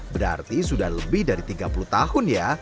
berarti sudah lebih dari tiga puluh tahun ya